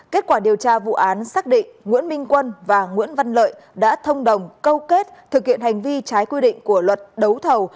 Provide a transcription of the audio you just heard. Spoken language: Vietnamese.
kết quả điều tra vụ án xác định nguyễn minh quân và nguyễn văn lợi đã thông đồng câu kết thực hiện hành vi trái quy định của luật đấu thầu